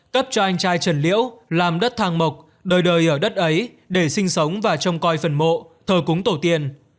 cấp cho anh trai trần liễu làm đất thang mộc đời đời ở đất ấy để sinh sống và trông coi phần mộ thờ cúng tổ tiên